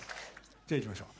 じゃあいきましょう。